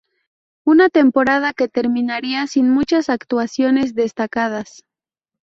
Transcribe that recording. Una temporada que terminaría sin muchas actuaciones destacadas.